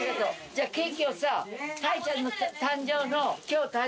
じゃあケーキをさたいちゃんの誕生の渋谷）